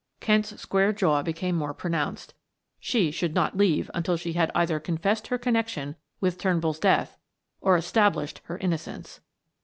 Kent's square jaw became more pronounced; she should not leave until she had either confessed her connection with Turnbull's death, or established her innocence.